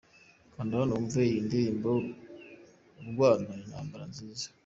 Kanda hano wumve iyi ndirimbo 'Urwana intambara nziza'.